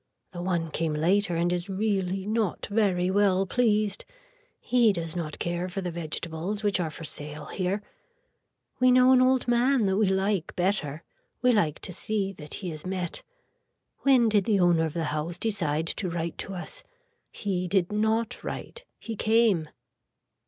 The one came later and is really not very well pleased. He does not care for the vegetables which are for sale here. We know an old man that we like better. We like to see that he is met. When did the owner of the house decide to write to us. He did not write. He came.